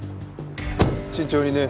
慎重にね。